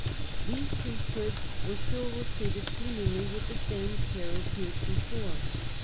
These priesthoods were still recruited seem collegia or ingly with the same care as heretofore.